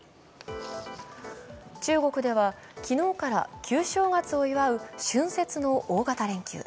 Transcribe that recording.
中国では昨日から旧正月を祝う春節の大型連休。